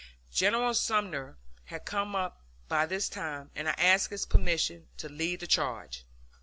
General Sumner had come up by this time, and I asked his permission to lead the charge.